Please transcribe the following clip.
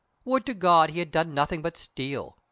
Would to God he had done nothing but steal!